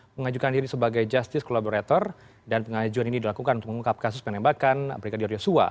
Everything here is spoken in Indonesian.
mengajukan diri sebagai justice collaborator dan pengajuan ini dilakukan untuk mengungkap kasus penembakan brigadir yosua